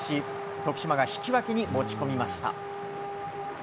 徳島が引き分けに持ち込みました。